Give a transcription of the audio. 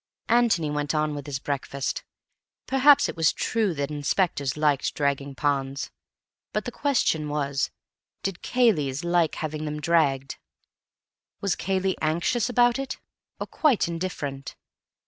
Antony went on with his breakfast. Perhaps it was true that inspectors liked dragging ponds, but the question was, did Cayleys like having them dragged? Was Cayley anxious about it, or quite indifferent?